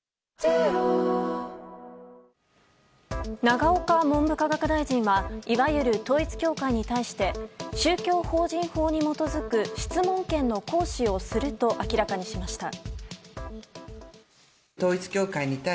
永岡文部科学大臣はいわゆる統一教会に対して宗教法人法に基づく質問権の行使をすると明らかにしました。